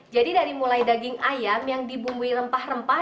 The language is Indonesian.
jadi dari mulai daging ayam yang dibumbui rempah rempah